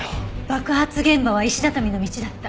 爆発現場は石畳の道だった！